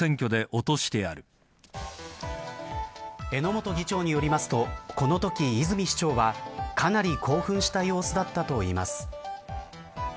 榎本議長によりますとこのとき泉市長はかなり興奮した様子だったといいます。